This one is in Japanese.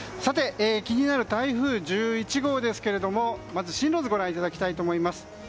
気になる台風１１号ですけれどもまず進路図ご覧いただきたいと思います。